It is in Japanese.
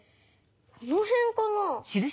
このへんかな？